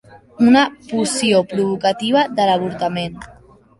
Una poció provocativa de l'avortament.